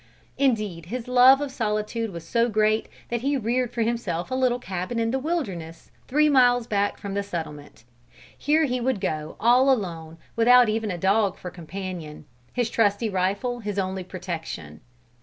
Indeed his love of solitude was so great, that he reared for himself a little cabin in the wilderness, three miles back from the settlement. Here he would go all alone without even a dog for companion, his trusty rifle his only protection.